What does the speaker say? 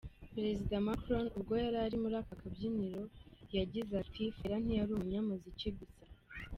Perezida Macron ubwo yari ari muri aka kabyiniro yagize ati “Fela ntiyari umunyamuziki gusa.